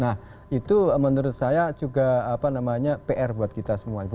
nah itu menurut saya juga apa namanya pr buat kita semua itu